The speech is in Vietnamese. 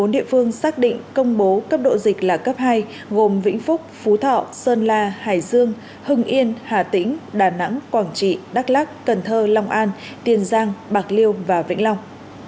bốn địa phương xác định công bố cấp độ dịch là cấp hai gồm vĩnh phúc phú thọ sơn la hải dương hưng yên hà tĩnh đà nẵng quảng trị đắk lắc cần thơ long an tiền giang bạc liêu và vĩnh long